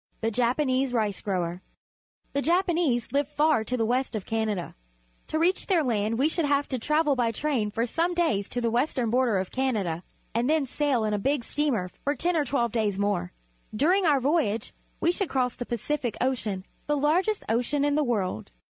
The Japanese Rice grower. — The Japa nese live far to the west of Canada. To reach their land we should have to travel by train for some days to the west ern border of Canada, and then sail in a big steamer for ten or twelve days more. During our voj^age we should cross the Pacific Ocean — the largest ocean in the world.